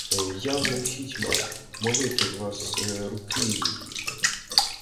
— Я-м хіть мав... молити вас... руки її...